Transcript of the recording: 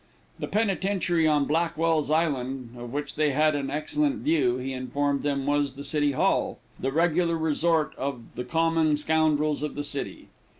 The Penitentiary on Blackwell's Island, of which they had an excellent view, he informed them was the City Hall the regular resort of the Common Scoundrels of the city.